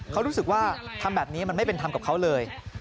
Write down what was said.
เขารู้สึกว่าทำแบบนี้มันไม่เป็นธรรมกับเขาเลย